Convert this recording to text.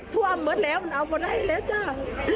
ทว่ามเหมือนแรวมันเอามาได้แล้วจ้า